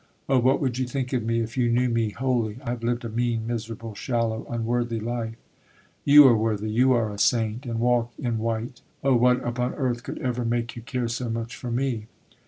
Oh, what would you think of me, if you knew me wholly? I have lived a mean, miserable, shallow, unworthy life. You are worthy, you are a saint, and walk in white! Oh, what upon earth, could ever make you care so much for me?